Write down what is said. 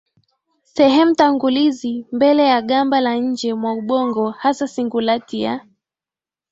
Sehemu tangulizi mbeleya gamba la nje mwa ubongo hasa singulati ya